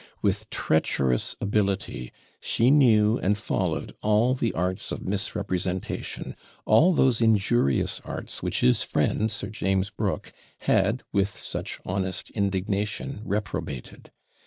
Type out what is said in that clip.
With treacherous ability, she knew and followed all the arts of misrepresentation; all those injurious arts which his friend, Sir James Brooke, had, with such honest indignation, reprobated.